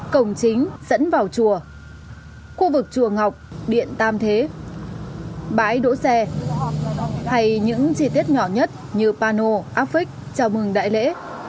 cổng chính dẫn vào chùa khu vực chùa ngọc điện tam thế bãi đỗ xe hay những chi tiết nhỏ nhất như pano áp vích chào mừng đại lễ